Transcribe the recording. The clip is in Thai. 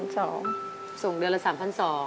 ส่งเดือนละ๓๐๐๐บาท๒